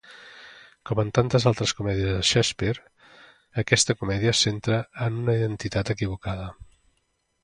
Com en tantes altres comèdies de Shakespeare, aquesta comèdia se centra en una identitat equivocada.